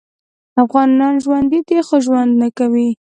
افغانان ژوندي دې خو ژوند نکوي